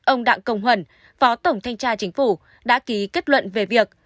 ông đặng công hẩn phó tổng thanh tra chính phủ đã ký kết luận về việc